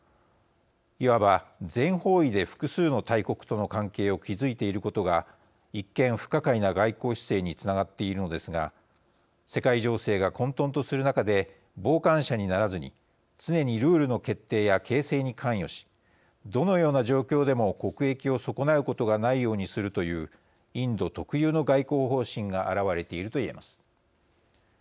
いわば全方位で複数の大国との関係を築いていることが一見、不可解な外交姿勢につながっているのですが世界情勢が混とんとする中で傍観者にならずに常にルールの決定や形成に関与しどのような状況でも国益を損なうことがないようにするというインド特有の外交方針が表れていると言えます。